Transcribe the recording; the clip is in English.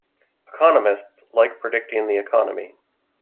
Economists like predicting the Economy.